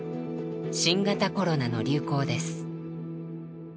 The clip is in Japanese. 新型コロナの流行です。